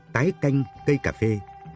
tái canh cây cà phê